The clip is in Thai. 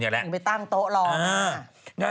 ไปตั้งโต๊ะรอง